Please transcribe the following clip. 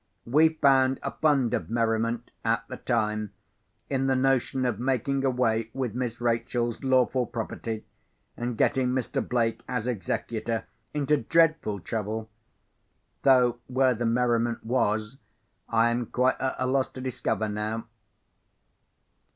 We found a fund of merriment, at the time, in the notion of making away with Miss Rachel's lawful property, and getting Mr. Blake, as executor, into dreadful trouble—though where the merriment was, I am quite at a loss to discover now.